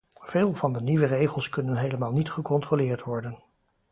Veel van de nieuwe regels kunnen helemaal niet gecontroleerd worden.